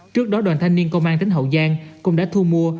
trước đó đoàn thanh niên công an tỉnh hậu giang cũng đã thu mua